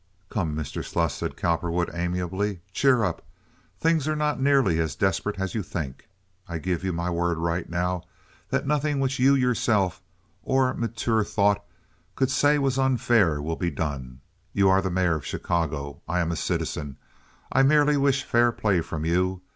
"Come, Mr. Sluss," said Cowperwood, amiably, "cheer up. Things are not nearly as desperate as you think. I give you my word right now that nothing which you yourself, on mature thought, could say was unfair will be done. You are the mayor of Chicago. I am a citizen. I merely wish fair play from you.